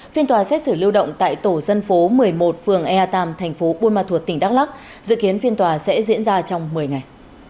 phiên tòa xét xử lưu động tại tổ dân phố một mươi một phường ea tam thành phố buôn ma thuột tỉnh đắk lắc dự kiến phiên tòa sẽ diễn ra trong một mươi ngày